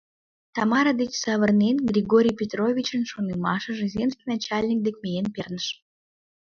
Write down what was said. Тамара деч савырнен, Григорий Петровичын шонымашыже земский начальник дек миен перныш.